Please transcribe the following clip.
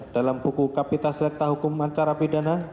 dalam buku kapitas lekta hukum acara pidana